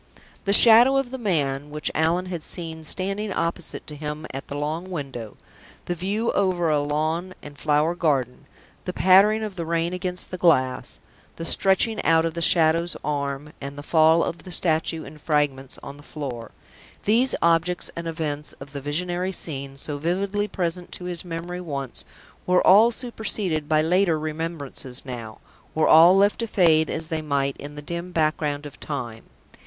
The Shadow of the Man, which Allan had seen standing opposite to him at the long window; the view over a lawn and flower garden; the pattering of the rain against the glass; the stretching out of the Shadow's arm, and the fall of the statue in fragments on the floor these objects and events of the visionary scene, so vividly present to his memory once, were all superseded by later remembrances now, were all left to fade as they might in the dim background of time.